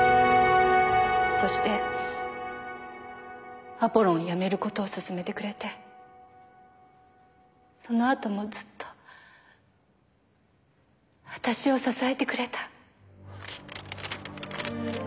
そしてアポロンを辞める事を勧めてくれてそのあともずっと私を支えてくれた。